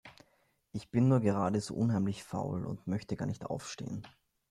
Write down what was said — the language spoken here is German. Ich bin nur gerade so unheimlich faul. Und möchte gar nicht aufstehen.